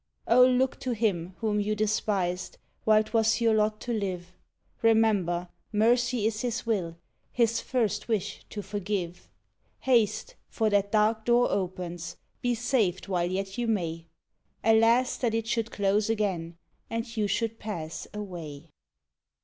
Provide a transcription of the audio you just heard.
Oh! look to Him whom you despised, while 'twas your lot to live; Remember! mercy is His will; His first wish to forgive. Haste! for that dark door opens! be saved while yet you may! Alas! that it should close again, and you should pass away.